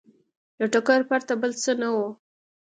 له ټکر پرته بل څه نه وو